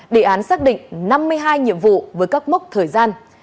đề án xác định năm mươi hai nhiệm vụ với các mốc thời gian